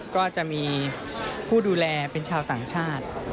ก็จะมีผู้ดูแลเป็นชาวต่างชาติ